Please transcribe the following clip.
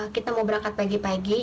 kita mau berangkat pagi pagi